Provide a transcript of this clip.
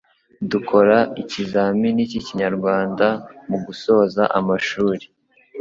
dukora ikizamini cy'Ikinyarwanda mugusoza amashuri